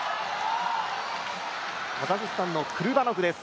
カザフスタンのクルバノフです。